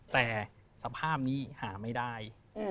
แต่สภาพนี้หาไม่ได้